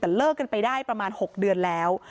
แต่เลิกกันไปได้ประมาณ๖เดือนแล้ว